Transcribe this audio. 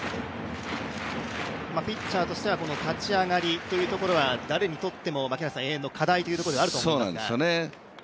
ピッチャーとしては立ち上がりというところは誰にとっても永遠の課題というところではあると思うのですが。